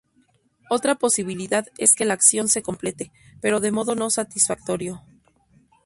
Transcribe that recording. Otra posibilidad es que la acción se complete, pero de modo no satisfactorio.